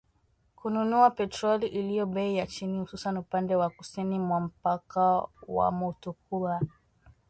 kununua petroli iliyo bei ya chini hususan upande wa kusini mwa mpaka wa Mutukula